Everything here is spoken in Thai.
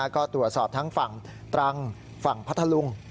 ก็ตรวจสอบทั้งฝั่งตรังฝั่งพัทธลุง